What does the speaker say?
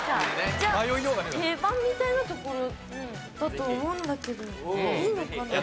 じゃあ定番みたいなところだと思うんだけどいいのかな？